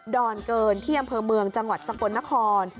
อนเกินที่อำเภอเมืองจังหวัดสกลนคร